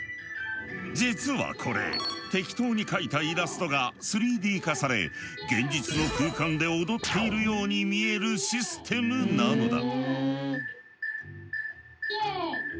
実はこれ適当に描いたイラストが３Ｄ化され現実の空間で踊っているように見えるシステムなのだ。